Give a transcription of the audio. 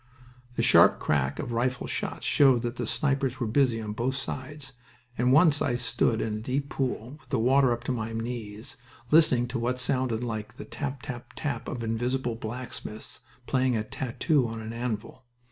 The sharp crack of rifle shots showed that the snipers were busy on both sides, and once I stood in a deep pool, with the water up to my knees, listening to what sounded like the tap tap tap of invisible blacksmiths playing a tattoo on an anvil.